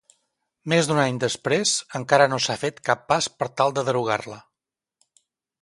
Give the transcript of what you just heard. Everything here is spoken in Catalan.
Més d'un any després, encara no s'ha fet cap pas per tal de derogar-la.